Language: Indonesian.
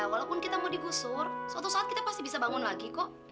walaupun kita mau digusur suatu saat kita pasti bisa bangun lagi kok